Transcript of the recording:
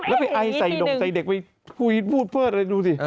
ไม่ไปไอใส่ด่งใส่เด็กไว้พูดเพิ่ดอะไรดูดิ